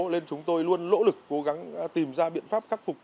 nên chúng tôi luôn lỗ lực cố gắng tìm ra biện pháp khắc phục